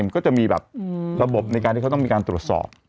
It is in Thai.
ก็จะมีแบบระบบในการที่เขาต้องมีการตรวจสอบ